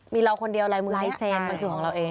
มีเราคนเดียวลายมือลายเซ็นมันคือของเราเอง